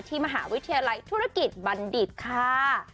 ที่มหาวิทยาลัยธุรกิจบันดิษฐ์ค่า